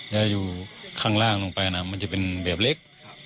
แล้วอยู่ข้างล่างลงไปนะมันจะเป็นแบบเล็ก